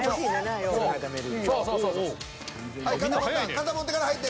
肩持ってから入って。